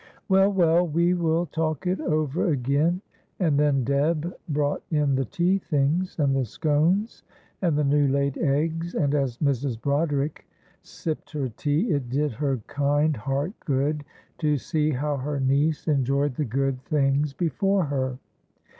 "Well, well, we will talk it over again" and then Deb brought in the tea things, and the scones, and the new laid eggs, and as Mrs. Broderick sipped her tea it did her kind heart good to see how her niece enjoyed the good things before her.